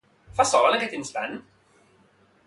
Fa sol en aquest instant?